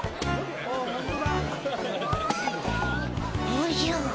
おじゃ。